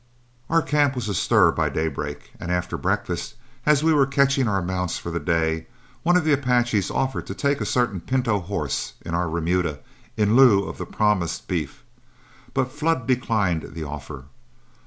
Our camp was astir by daybreak, and after breakfast, as we were catching our mounts for the day, one of the Apaches offered to take a certain pinto horse in our remuda in lieu of the promised beef, but Flood declined the offer.